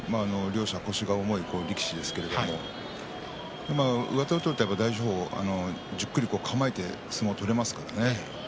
両者、腰がうまい力士ですけれど上手を取っていれば大翔鵬はじっくり構えて相撲が取れますからね。